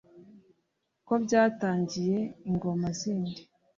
Ko byatangiye ingoma zindi